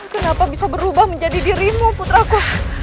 kenapa bisa berubah menjadi dirimu putraku